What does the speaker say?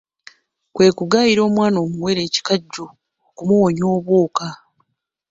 Kwe kugaayira omwana omuwere ekikajjo okumuwonya obwoka.